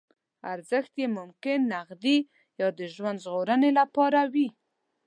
ارزښت یې ممکن نغدي یا د ژوند ژغورنې لپاره وي.